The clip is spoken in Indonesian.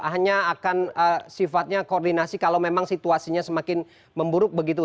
hanya akan sifatnya koordinasi kalau memang situasinya semakin memburuk begitu